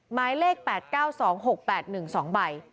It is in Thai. หมายเลข๘๙๒๖๘๑๒ใบ